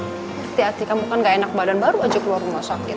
berarti hati kamu kan gak enak badan baru aja keluar rumah sakit